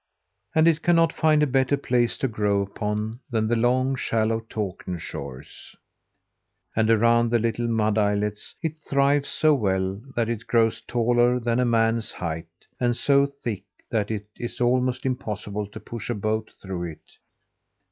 And it cannot find a better place to grow upon, than the long, shallow Takern shores, and around the little mud islets. It thrives so well that it grows taller than a man's height, and so thick that it is almost impossible to push a boat through it.